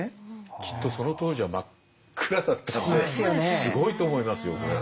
きっとその当時は真っ暗だったんですごいと思いますよこれ。